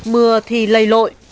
mưa thì lây lội